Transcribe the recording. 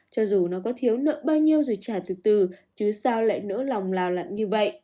cho dù nó có thiếu nợ bao nhiêu rồi trả thực từ từ chứ sao lại nỡ lòng lào lặn như vậy